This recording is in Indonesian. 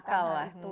yang akal lah